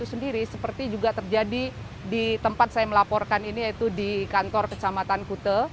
dan sendiri seperti juga terjadi di tempat saya melaporkan ini yaitu di kantor kecamatan kute